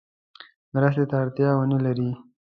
مرستې ته اړتیا ونه لري.